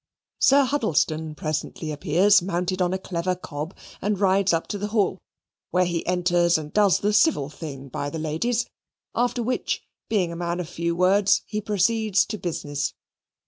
Sir Huddlestone presently appears mounted on a clever cob and rides up to the Hall, where he enters and does the civil thing by the ladies, after which, being a man of few words, he proceeds to business.